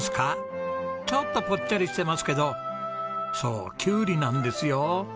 ちょっとぽっちゃりしてますけどそうキュウリなんですよ。